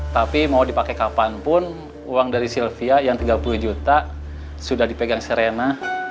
tapi mau dipakai kapanpun uang dari sylvia yang tiga puluh juta sudah dipegang serena